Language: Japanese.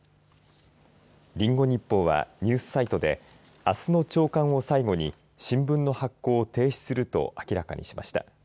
リンゴ日報はニュースサイトであすの朝刊を最後に新聞の発行を停止すると明らかにしました。